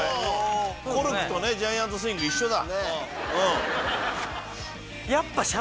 コルクとジャイアントスイング一緒だ。